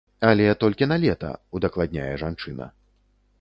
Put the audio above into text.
Але толькі на лета, удакладняе жанчына.